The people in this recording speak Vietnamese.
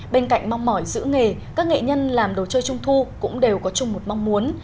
bên cạnh mong mỏi giữ nghề các nghệ nhân làm đồ chơi trung thu cũng đều có chung một mong muốn